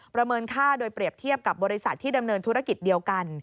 เมินค่าโดยเปรียบเทียบกับบริษัทที่ดำเนินธุรกิจเดียวกัน